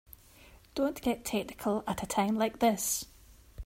Don't get technical at a time like this.